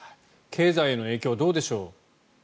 経済への影響はどうでしょう。